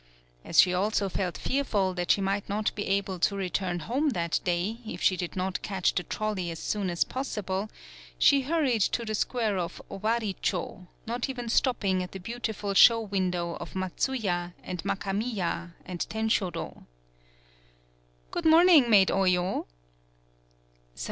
As she also felt fearful that she might not be able to return home that day if she did not catch the trolley as soon as possible, she hurried to the square of Owaricho, not even stopping at the beautiful show windows of Matsuya, and Mikamiya and Tenshodo. "Good morning, Maid Oyo!"